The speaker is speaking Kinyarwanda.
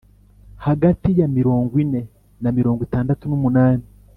Hagati ya mirongwine na mirongo itandatu n umunani